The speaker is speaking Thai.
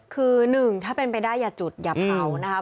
คือหนึ่งถ้าเป็นไปได้อย่าจุดอย่าเผานะคะ